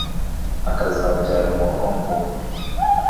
ukazabyara umuhungu